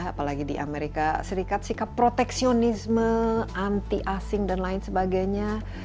apalagi di amerika serikat sikap proteksionisme anti asing dan lain sebagainya